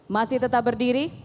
masih tetap berdiri